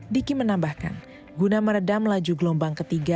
diki menambahkan guna meredam laju gelombang ketiga